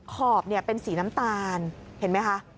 ขอบเป็นสีน้ำตาลเห็นไหมคะ